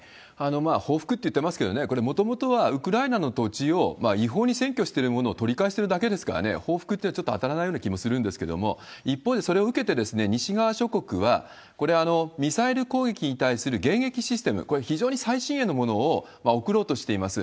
報復といっていますけれども、これ、もともとはウクライナの土地を違法に占拠しているものを取り返してるだけですからね、報復っていうのはちょっと当たらないような気もするんですけれども、一方で、それを受けて西側諸国はこれ、ミサイル攻撃に対する迎撃システム、これ、非常に最新鋭のものを送ろうとしています。